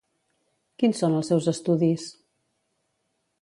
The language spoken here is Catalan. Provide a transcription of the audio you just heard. Quins són els seus estudis?